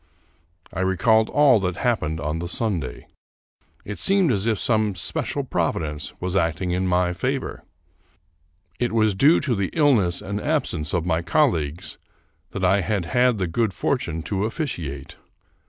I recalled all that happened on the Sunday. It seemed as if some special providence was acting in my favor. It was due to the ill ness and absence of my colleagues that I had had the good fortune to officiate.